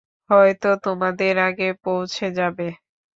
হয়তো তোমাদের আগে পৌঁছে যাবে।